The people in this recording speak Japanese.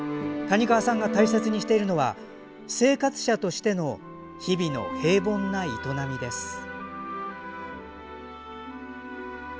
谷川さんが大切にしているのは生活者としての日々の平凡な営みです。